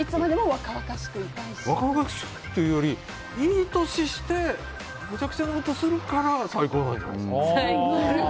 若々しくというよりいい年してむちゃくちゃなことをするから最高なんじゃないですか。